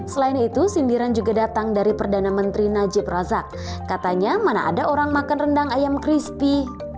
selain itu sindiran juga datang dari perdana menteri najib razak katanya mana ada orang makan rendang ayam crispy